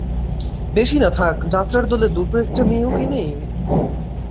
বেশি না থাক, যাত্রার দলে দুটো একটা মেয়েও কি নাই?